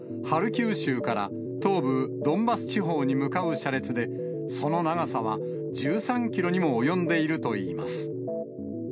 ハルキウ州から、東部ドンバス地方に向かう車列で、その長さは１３キロにも及んでいるといいます。